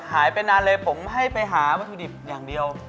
หายไปนานเลยผมให้ไปหาวัตถุดิบอย่างเดียว